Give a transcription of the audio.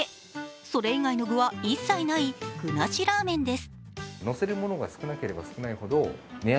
それ以外の具は一切ない、具なしラーメンです。